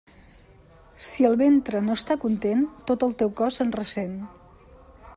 Si el ventre no està content, tot el teu cos se'n ressent.